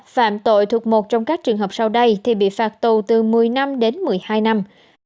phạm tội thuộc một trong các trường hợp sau đây thì bị phạt tù từ một mươi năm đến một mươi hai năm